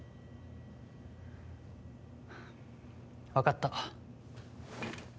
わかった。